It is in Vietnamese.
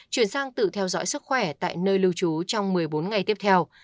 chuyển sang tự theo dõi sức khỏe tại nơi lưu trú trong một mươi bốn ngày tiếp theo